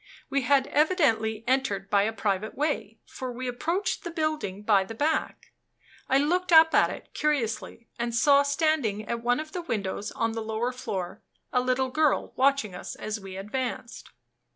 We had evidently entered by a private way, for we approached the building by the back. I looked up at it curiously, and saw standing at one of the windows on the lower floor a little girl watching us as we advanced.